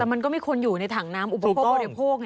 แต่มันก็มีคนอยู่ในถังน้ำอุปโภคบริโภค